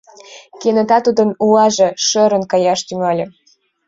Кенета тудын улаже шӧрын каяш тӱҥале.